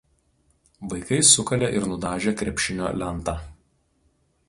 Vaikai sukalė ir nudažė krepšinio lentą